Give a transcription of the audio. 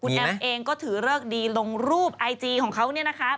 แอมเองก็ถือเลิกดีลงรูปไอจีของเขาเนี่ยนะคะ